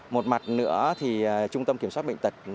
một mặt nữa thì trung tâm kiểm soát bệnh tật